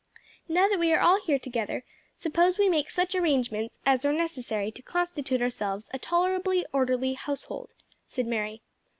"Now that we are all here together, suppose we make such arrangements as are necessary to constitute ourselves a tolerably orderly household," said Mary.